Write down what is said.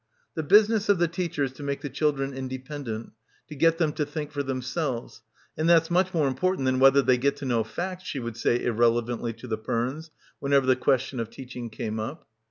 'The business of the teacher is to make the children independent, to get them to think for themselves, and that's much more important than whether they get to know facts,' she would say irrelevantly to the Pernes whenever the question of teaching came up.